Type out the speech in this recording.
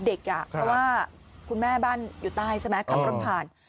เพราะว่าคุณแม่บ้านอยู่ใต้ใช่ไหมขับรถผ่าน